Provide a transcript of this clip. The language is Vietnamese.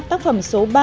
tác phẩm số ba